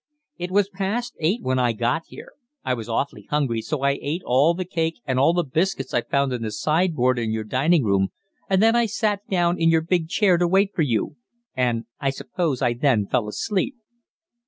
It was past eight when I got here. I was awfully hungry, so I ate all the cake and all the biscuits I found in the sideboard in your dining room, and then I sat down in your big chair to wait for you and I suppose I then fell asleep."